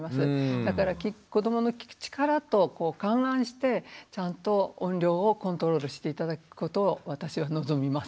だから子どもの聴く力と勘案してちゃんと音量をコントロールして頂くことを私は望みます。